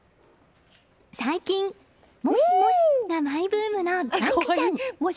最近、もしもしがマイブームの樂ちゃん。